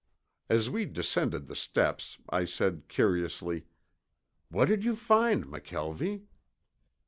As we descended the steps I said curiously, "What did you find, McKelvie?"